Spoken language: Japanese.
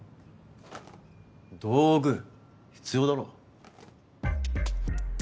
道具必要だろ。